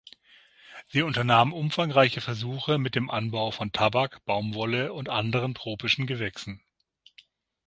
Sie unternahm umfangreiche Versuche mit dem Anbau von Tabak, Baumwolle und anderen tropischen Gewächsen.